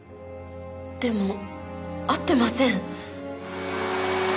でも会ってません。